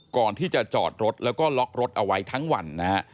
ก่อนที่จะจอดรถแล้วก็ล็อกรถเอาไว้ทั้งวันนะฮะ